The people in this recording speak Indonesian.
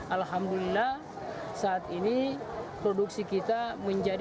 alhamdulillah saat ini produksi kita menjadi delapan lima sembilan